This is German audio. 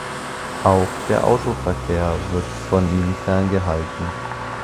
Auch der Autoverkehr wird von ihm ferngehalten.